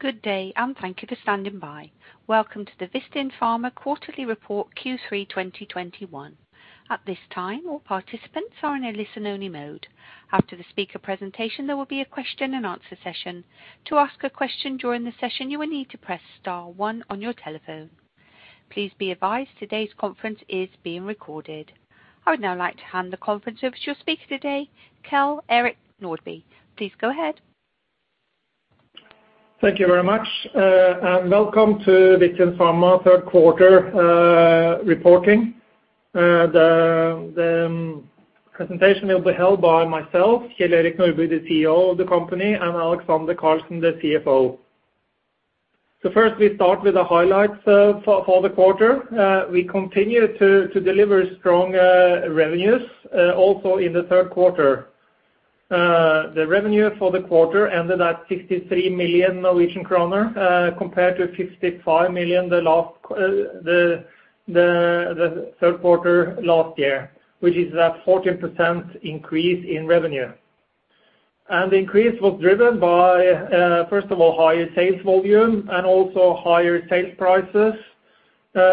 Good day, and thank you for standing by. Welcome to the Vistin Pharma quarterly report Q3 2021. At this time, all participants are in a listen only mode. After the speaker presentation, there will be a question-and-answer session. To ask a question during the session, you will need to press star one on your telephone. Please be advised today's conference is being recorded. I would now like to hand the conference over to your speaker today, Kjell-Erik Nordby. Please go ahead. Thank you very much, and welcome to Vistin Pharma third quarter reporting. The presentation will be held by myself, Kjell-Erik Nordby, the CEO of the company, and Alexander Karlsen, the CFO. First, we start with the highlights for the quarter. We continue to deliver strong revenues also in the third quarter. The revenue for the quarter ended at 63 million Norwegian kroner compared to 55 million third quarter last year, which is a 14% increase in revenue. The increase was driven by first of all, higher sales volume and also higher sales prices,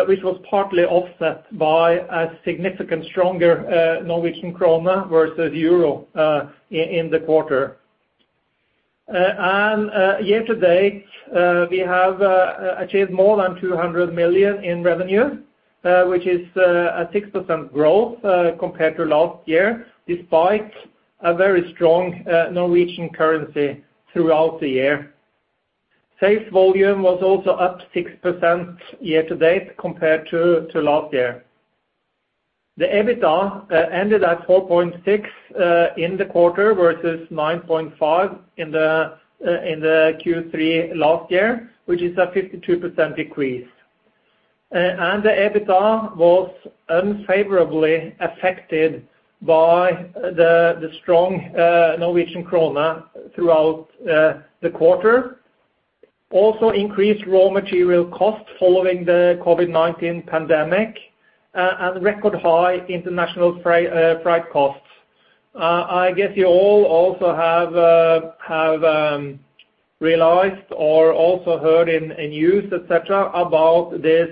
which was partly offset by a significantly stronger Norwegian kroner versus euro in the quarter. Year to date, we have achieved more than 200 million in revenue, which is a 6% growth compared to last year, despite a very strong Norwegian currency throughout the year. Sales volume was also up 6% year to date compared to last year. The EBITDA ended at MNOK 4.6 in the quarter versus MNOK 9.5 in Q3 last year, which is a 52% decrease. The EBITDA was unfavorably affected by the strong Norwegian kroner throughout the quarter. Also, increased raw material costs following the COVID-19 pandemic and record high international freight costs. I guess you all also have realized or also heard in news, et cetera, about this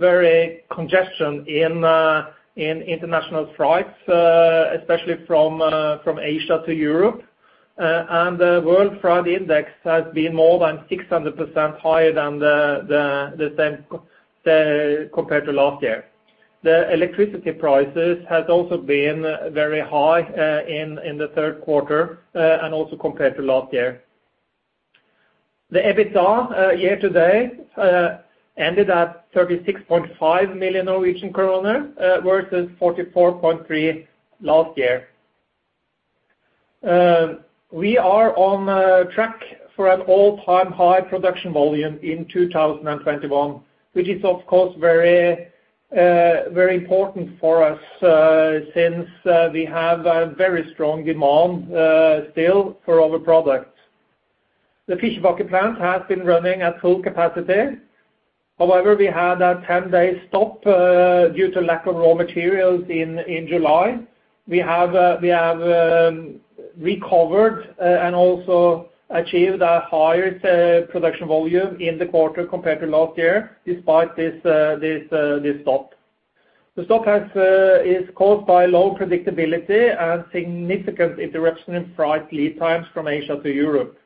heavy congestion in international freights, especially from Asia to Europe. The world freight index has been more than 600% higher than the same compared to last year. The electricity prices has also been very high in the third quarter and also compared to last year. The EBITDA year to date ended at 36.5 million Norwegian kroner versus 44.3 million last year. We are on track for an all-time high production volume in 2021, which is of course very important for us since we have a very strong demand still for our products. The Fikkjebakke plant has been running at full capacity. However, we had a 10-day stop due to lack of raw materials in July. We have recovered and also achieved a higher production volume in the quarter compared to last year, despite this stop. The stop is caused by low predictability and significant interruption in freight lead times from Asia to Europe.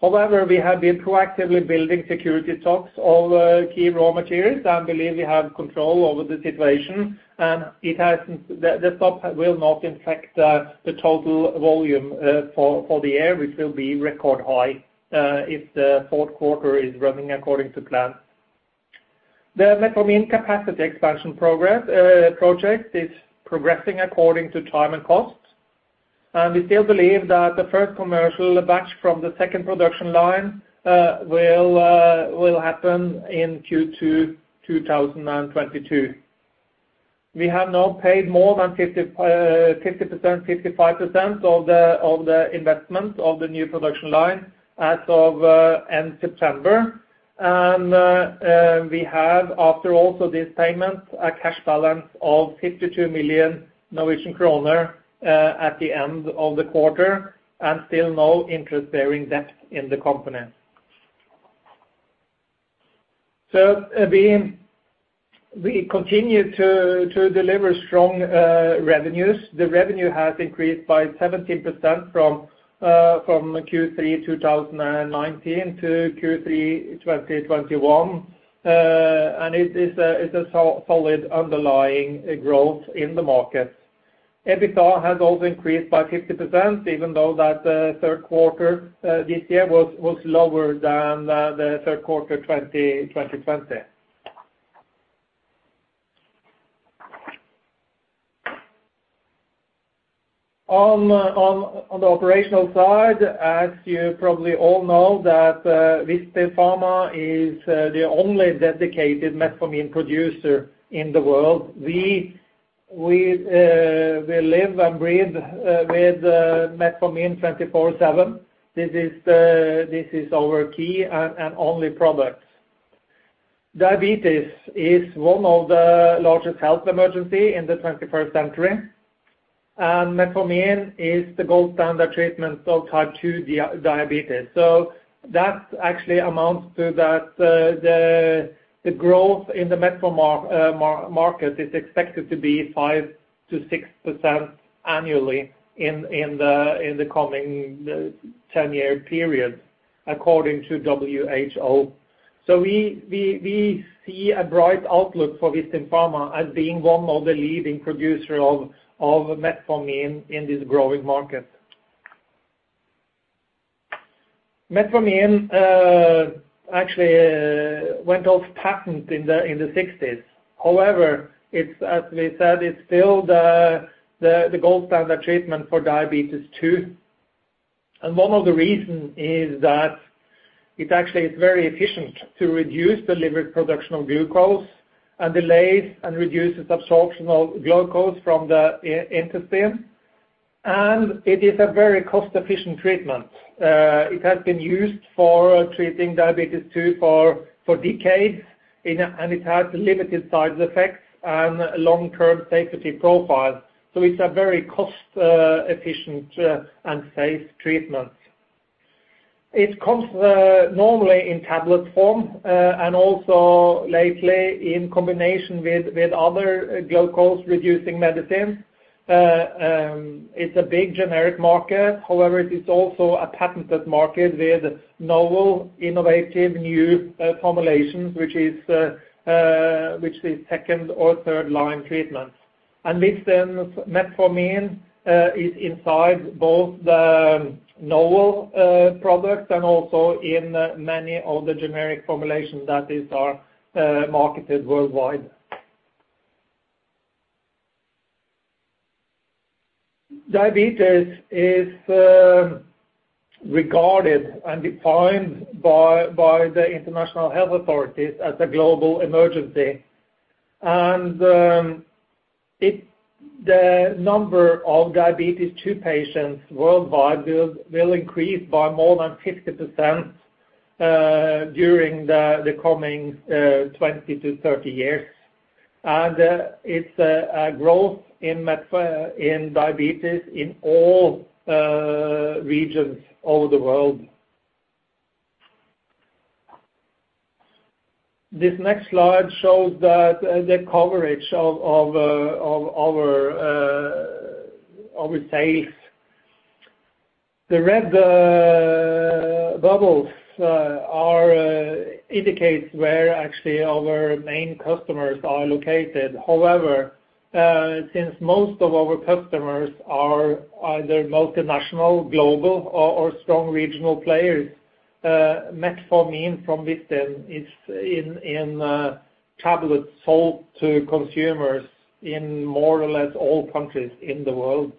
However, we have been proactively building security stocks of key raw materials and believe we have control over the situation, and the stop will not impact the total volume for the year, which will be record high if the fourth quarter is running according to plan. The Metformin Expansion Project is progressing according to time and cost. We still believe that the first commercial batch from the second production line will happen in Q2 2022. We have now paid more than 55% of the investment of the new production line as of end September. We have, after this payment also, a cash balance of 52 million Norwegian kroner at the end of the quarter, and still no interest-bearing debt in the company. We continue to deliver strong revenues. The revenue has increased by 17% from Q3 2019 to Q3 2021. It is a solid underlying growth in the market. EBITDA has also increased by 50%, even though that third quarter this year was lower than the third quarter 2020. On the operational side, as you probably all know that Vistin Pharma is the only dedicated metformin producer in the world. We live and breathe with metformin 24/7. This is our key and only product. Diabetes is one of the largest health emergency in the 21st century. metformin is the gold standard treatment of type 2 diabetes. that actually amounts to that, the growth in the metformin market is expected to be 5%-6% annually in the coming ten-year period, according to WHO. We see a bright outlook for Vistin Pharma as being one of the leading producer of metformin in this growing market. Metformin actually went off patent in the sixties. However, it's, as we said, it's still the gold standard treatment for type 2 diabetes. One of the reason is that it actually is very efficient to reduce the liver production of glucose and delays and reduces absorption of glucose from the intestine. It is a very cost-efficient treatment. It has been used for treating type 2 diabetes for decades, and it has limited side effects and long-term safety profile. It's a very cost efficient and safe treatment. It comes normally in tablet form, and also lately in combination with other glucose-reducing medicines. It's a big generic market. However, it is also a patented market with novel, innovative, new formulations, which is second or third line treatment. Vistin metformin is inside both the novel products and also in many of the generic formulations that are marketed worldwide. Diabetes is regarded and defined by the international health authorities as a global emergency. The number of diabetes two patients worldwide will increase by more than 50% during the coming 20-30 years. It's a growth in diabetes in all regions all over the world. This next slide shows the coverage of our sales. The red bubbles indicate where actually our main customers are located. However, since most of our customers are either multinational, global, or strong regional players, metformin from Vistin is in tablets sold to consumers in more or less all countries in the world.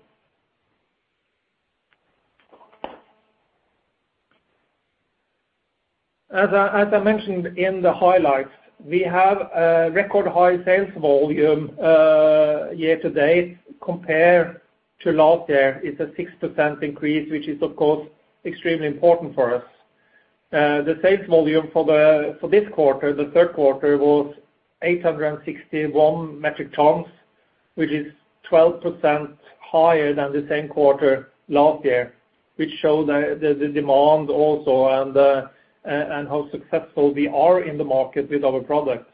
As I mentioned in the highlights, we have a record high sales volume year-to-date compared to last year. It's a 6% increase, which is, of course, extremely important for us. The sales volume for this quarter, the third quarter, was 861 metric tons, which is 12% higher than the same quarter last year, which show the demand also and how successful we are in the market with our products.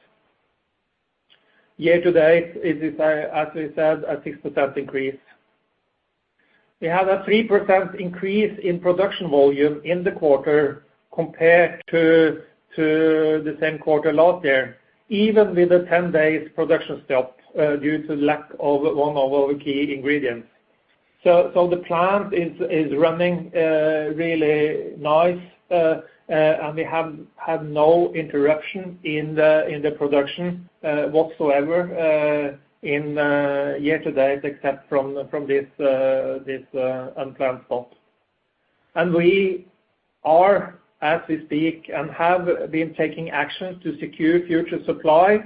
Year-to-date is, as I said, a 6% increase. We have a 3% increase in production volume in the quarter compared to the same quarter last year, even with the 10 days production stop due to lack of one of our key ingredients. The plant is running really nice, and we have had no interruption in the production whatsoever in year-to-date except from this unplanned stop. We are, as we speak, and have been taking actions to secure future supply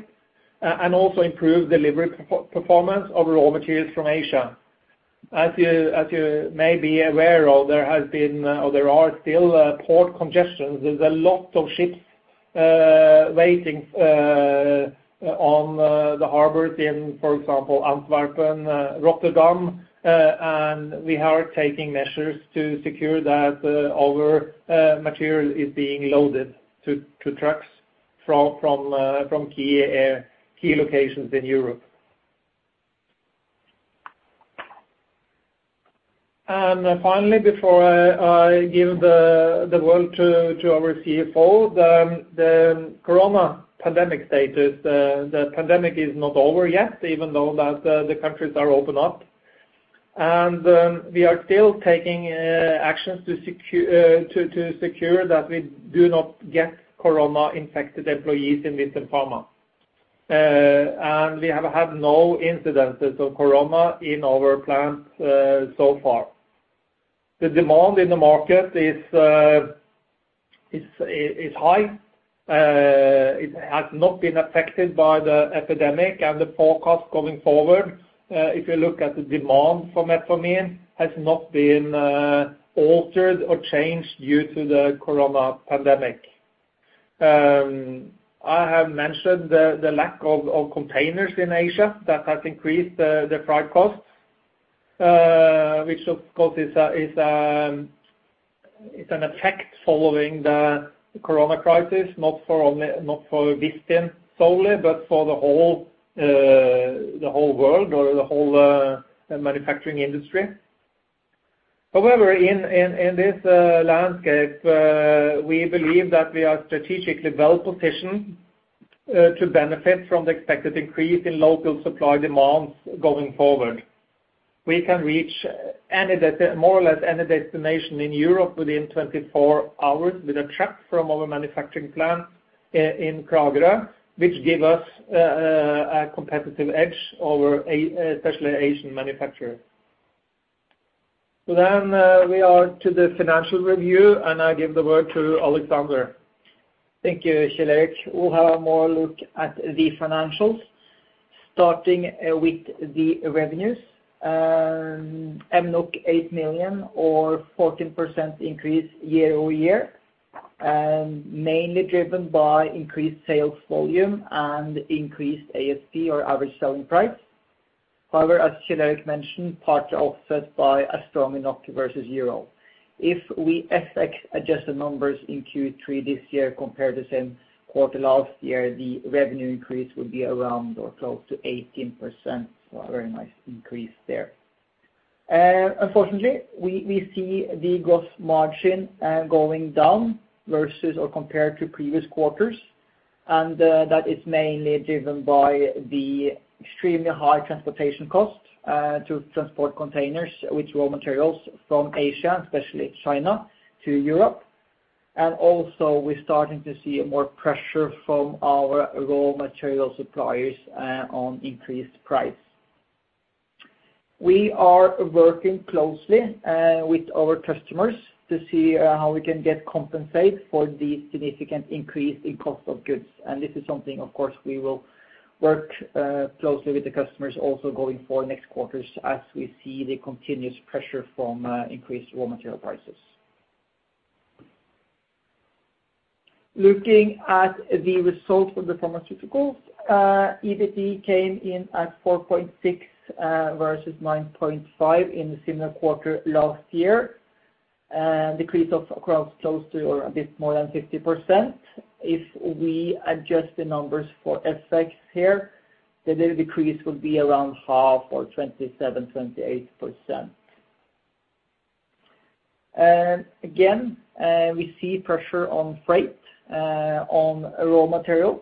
and also improve delivery performance of raw materials from Asia. As you may be aware of, there has been, or there are still port congestions. There's a lot of ships waiting on the harbors in, for example, Antwerp and Rotterdam. We are taking measures to secure that our material is being loaded to trucks from key locations in Europe. Finally, before I give the word to our CFO, the corona pandemic status, the pandemic is not over yet, even though that the countries are opened up. We are still taking actions to secure that we do not get corona-infected employees in Vistin Pharma. We have had no incidences of corona in our plant so far. The demand in the market is high. It has not been affected by the epidemic, and the forecast going forward, if you look at the demand for metformin has not been altered or changed due to the corona pandemic. I have mentioned the lack of containers in Asia that has increased the freight costs, which of course is an effect following the COVID-19 crisis, not for Vistin solely, but for the whole world or the whole manufacturing industry. However, in this landscape, we believe that we are strategically well-positioned to benefit from the expected increase in local supply demands going forward. We can reach more or less any destination in Europe within 24 hours with a truck from our manufacturing plant in Kragerø, which give us a competitive edge over especially Asian manufacturer. We turn to the financial review, and I give the word to Alexander. Thank you, Kjell-Erik. We'll take a closer look at the financials, starting with the revenues. 8 million or 14% increase year-over-year, mainly driven by increased sales volume and increased ASP or average selling price. However, as Kjell-Erik mentioned, part are offset by a strong NOK versus euro. If we FX adjust the numbers in Q3 this year compared to same quarter last year, the revenue increase would be around or close to 18%, so a very nice increase there. Unfortunately, we see the gross margin going down versus or compared to previous quarters. That is mainly driven by the extremely high transportation costs to transport containers with raw materials from Asia, especially China to Europe. We're starting to see more pressure from our raw material suppliers on increased price. We are working closely with our customers to see how we can get compensated for the significant increase in cost of goods. This is something, of course, we will work closely with the customers also going forward for next quarters as we see the continuous pressure from increased raw material prices. Looking at the results of the pharmaceuticals, EBIT came in at MNOK 4.6 versus MNOK 9.5 in the similar quarter last year. A decrease of close to or a bit more than 50%. If we adjust the numbers for FX here, the actual decrease will be around half or 27%-28%. Again, we see pressure on freight on raw materials.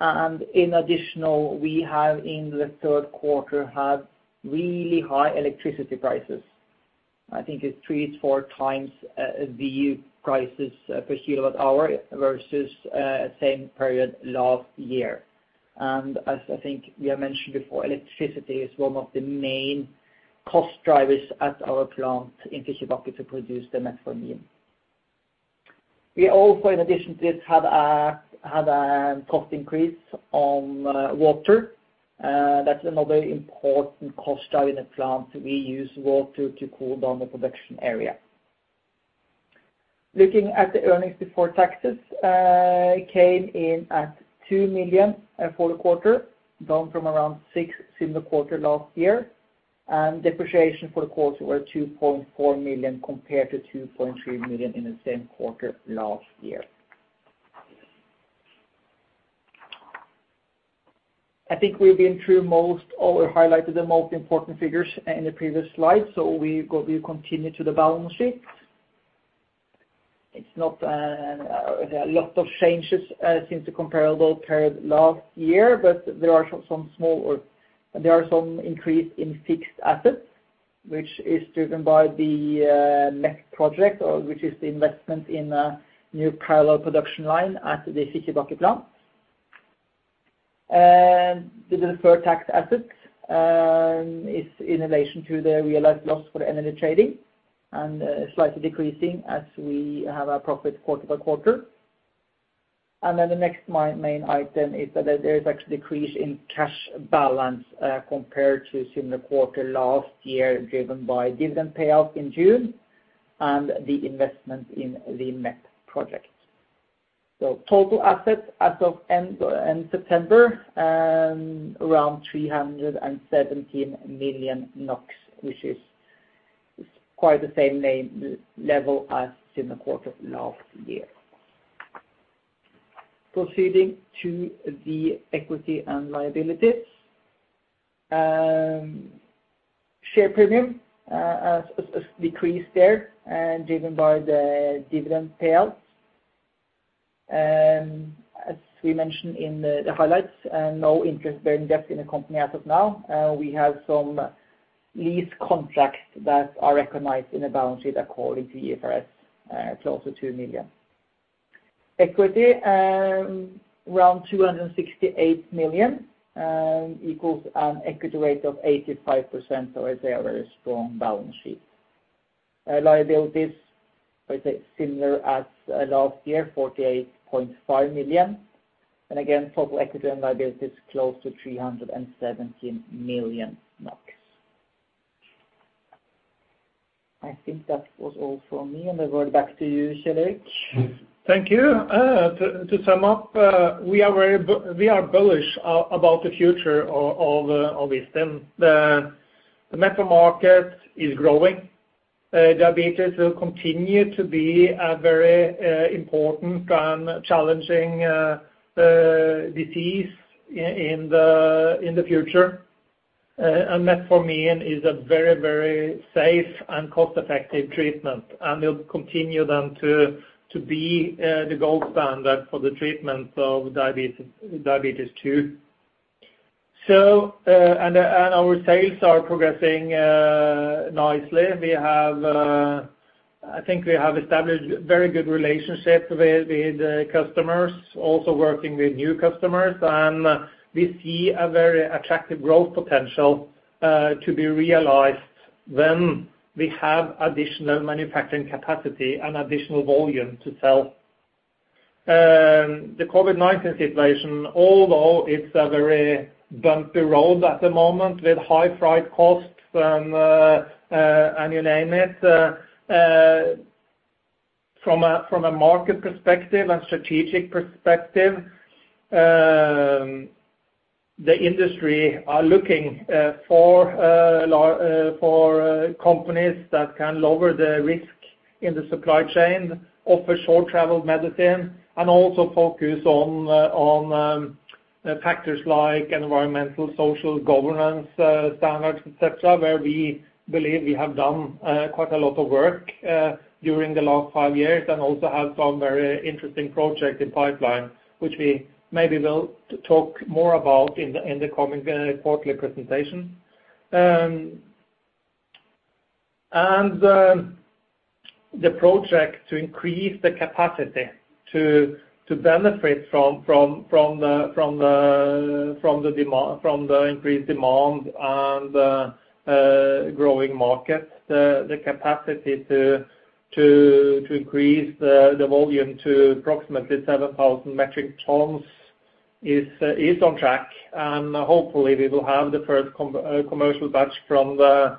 In addition, we have in the third quarter had really high electricity prices. I think it's three to four times the prices per kilowatt hour versus same period last year. As I think we have mentioned before, electricity is one of the main cost drivers at our plant in Fikkjebakke to produce the metformin. We also, in addition to this, have a cost increase on water. That's another important cost driver in the plant. We use water to cool down the production area. Looking at the earnings before taxes came in at 2 million for the quarter, down from around 6 million similar quarter last year. Depreciation for the quarter were 2.4 million compared to 2.3 million in the same quarter last year. I think we've been through most all or highlighted the most important figures in the previous slide, so we continue to the balance sheet. It's not a lot of changes since the comparable period last year, but there are some small increases in fixed assets, which is driven by the next project, which is the investment in a new parallel production line at the Fikkjebakke plant. The deferred tax assets is in relation to the realized loss for the energy trading and slightly decreasing as we have our profit quarter by quarter. The next main item is that there is actually a decrease in cash balance compared to similar quarter last year, driven by dividend payout in June and the investment in the MEP project. Total assets as of end September around 317 million NOK, which is quite the same level as in the quarter of last year. Proceeding to the equity and liabilities. Share premium has decreased there and driven by the dividend payouts. As we mentioned in the highlights, no interest-bearing debt in the company as of now. We have some lease contracts that are recognized in the balance sheet according to IFRS, close to 2 million. Equity around 268 million equals an equity rate of 85%, so it's a very strong balance sheet. Liabilities are, say, similar as last year, 48.5 million. Again, total equity and liability is close to 317 million. I think that was all from me and I go back to you, Kjell-Erik. Thank you. To sum up, we are very bullish about the future of Vistin. The metformin market is growing. Diabetes will continue to be a very important and challenging disease in the future. Metformin is a very safe and cost-effective treatment and will continue then to be the gold standard for the treatment of diabetes II. Our sales are progressing nicely. We have, I think we have established very good relationships with customers, also working with new customers. We see a very attractive growth potential to be realized when we have additional manufacturing capacity and additional volume to sell. The COVID-19 situation, although it's a very bumpy road at the moment with high freight costs and and you name it, from a market perspective and strategic perspective, the industry are looking for companies that can lower the risk in the supply chain, offer short travel time, and also focus on factors like environmental, social, governance standards, et cetera, where we believe we have done quite a lot of work during the last five years and also have some very interesting project in pipeline, which we maybe will talk more about in the coming quarterly presentation. The project to increase the capacity to benefit from the increased demand and growing market, the capacity to increase the volume to approximately 7,000 metric tons is on track. Hopefully we will have the first commercial batch from the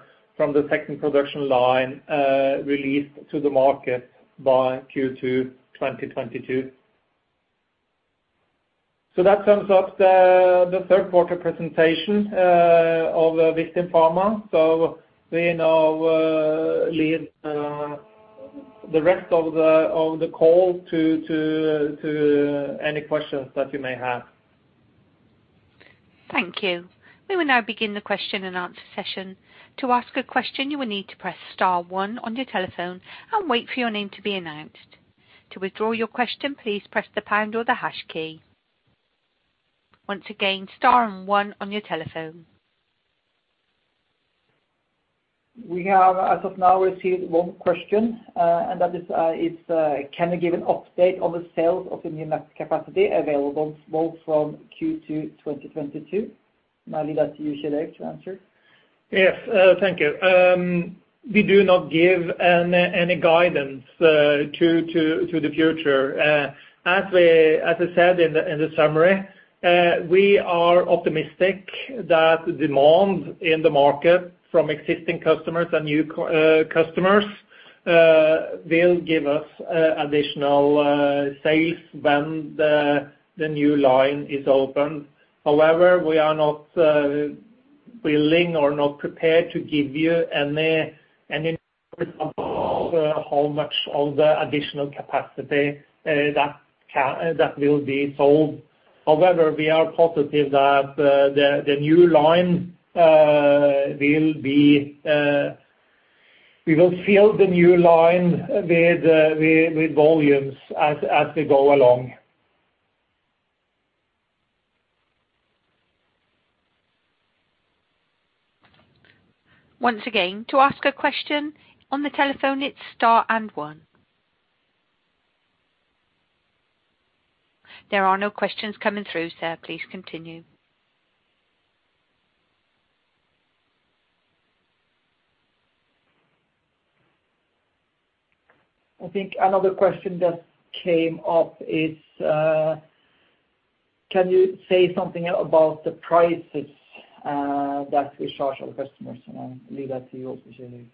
second production line released to the market by Q2 2022. That sums up the third quarter presentation of Vistin Pharma. We now leave the rest of the call to any questions that you may have. Thank you. We will now begin the question-and-answer session. To ask a question, you will need to press star one on your telephone and wait for your name to be announced. To withdraw your question, please press the pound or the hash key. Once again, star and one on your telephone. We have, as of now, received one question, and that is, can you give an update on the sales of the new max capacity available both from Q2 2022? I'll leave that to you, Kjell-Erik, to answer. Yes. Thank you. We do not give any guidance to the future. As I said in the summary, we are optimistic that demand in the market from existing customers and new customers will give us additional sales when the new line is open. However, we are not willing or not prepared to give you any how much of the additional capacity that will be sold. However, we are positive that we will fill the new line with volumes as we go along. Once again, to ask a question on the telephone, it's star and one. There are no questions coming through, sir. Please continue. I think another question that came up is, can you say something about the prices, that we charge our customers? I'll leave that to you also, Kjell-Erik.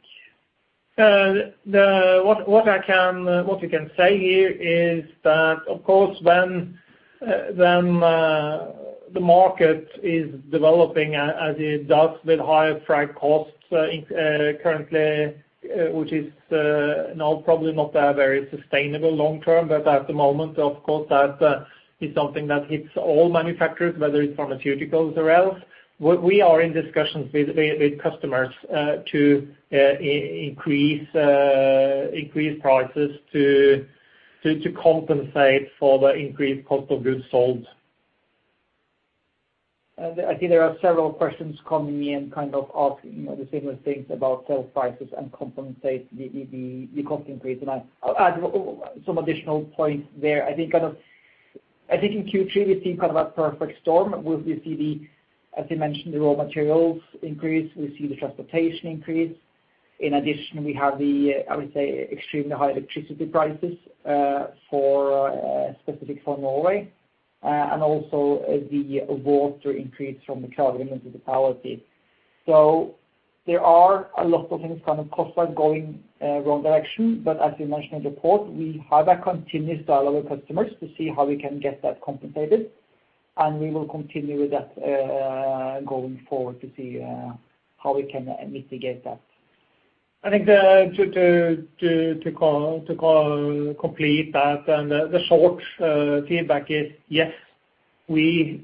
What we can say here is that, of course, when the market is developing as it does with higher freight costs incurred currently, which is now probably not a very sustainable long-term, but at the moment, of course, that is something that hits all manufacturers, whether it's pharmaceuticals or else. We are in discussions with customers to increase prices to compensate for the increased cost of goods sold. I think there are several questions coming in kind of asking, you know, the similar things about sales prices and compensate the cost increase. I'll add some additional points there. I think in Q3 we see kind of a perfect storm where we see the, as you mentioned, the raw materials increase, we see the transportation increase. In addition, we have the, I would say, extremely high electricity prices, specific for Norway, and also the water increase from the municipality. There are a lot of costs that are going in the wrong direction. As we mentioned in the report, we have a continuous dialogue with customers to see how we can get that compensated, and we will continue with that going forward to see how we can mitigate that. I think to call it complete, the short feedback is yes, it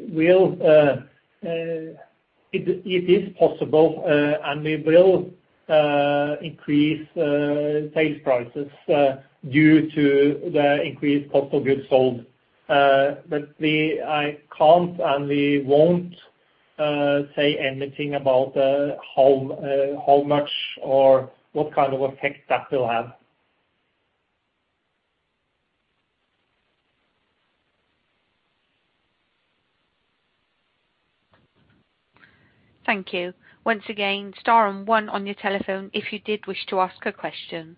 is possible, and we will increase sales prices due to the increased cost of goods sold. I can't, and we won't say anything about how much or what kind of effect that will have. Thank you. Once again, star one on your telephone if you wish to ask a question.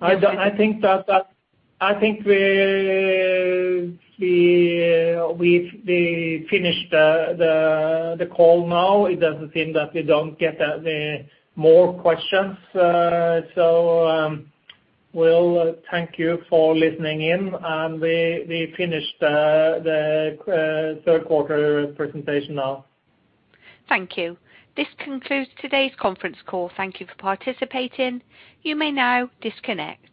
I think we've finished the call now. It doesn't seem that we don't get any more questions. We'll thank you for listening in, and we finish the third quarter presentation now. Thank you. This concludes today's conference call. Thank you for participating. You may now disconnect.